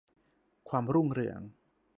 ความรุ่งเรือง